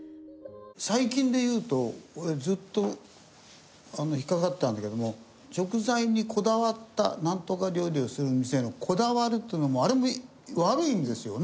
最近でいうと俺ずっと引っかかってたんだけども「食材にこだわったナントカ料理をする店」の「こだわる」っていうのもあれも悪い意味ですよね？